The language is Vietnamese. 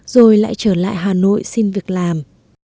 rồi lại trở lại hà nội xin việc làm